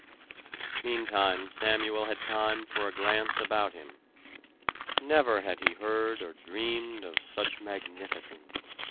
Meantime Samuel had time for a glance about him. Never had he heard or dreamed of such magnificence.